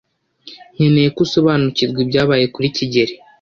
Nkeneye ko usobanukirwa ibyabaye kuri kigeli.